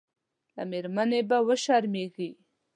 له مېرمنې به وشرمېږي.